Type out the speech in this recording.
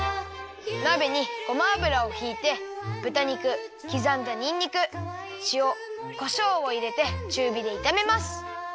なべにごま油をひいてぶた肉きざんだにんにくしおこしょうをいれてちゅうびでいためます